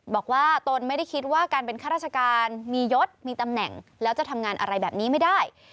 ตนไม่ได้คิดว่าการเป็นข้าราชการมียศมีตำแหน่งแล้วจะทำงานอะไรแบบนี้ไม่ได้